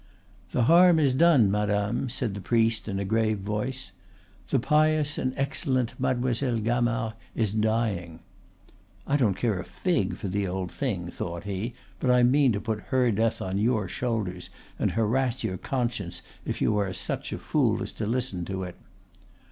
"The harm is done, madame," said the priest, in a grave voice. "The pious and excellent Mademoiselle Gamard is dying." ("I don't care a fig for the old thing," thought he, "but I mean to put her death on your shoulders and harass your conscience if you are such a fool as to listen to it.")